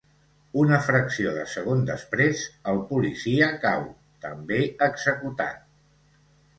Una fracció de segon després, el policia cau, també executat.